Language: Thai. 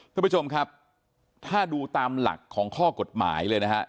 ทุกผู้ชมครับถ้าดูตามหลักของข้อกฎหมายเลยนะฮะ